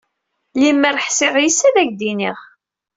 Limer ḥṣiƔ yes, ad ak-d-iniƔ.